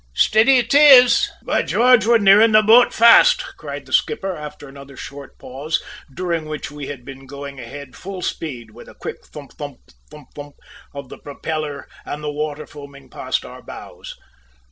"Steady it is!" "By George, we're nearing the boat fast!" cried the skipper after another short pause, during which we had been going ahead full speed, with a quick "thump thump, thump thump" of the propeller and the water foaming past our bows.